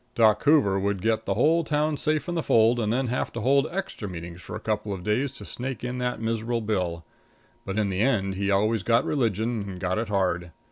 Doc Hoover would get the whole town safe in the fold and then have to hold extra meetings for a couple of days to snake in that miserable Bill; but, in the end, he always got religion and got it hard.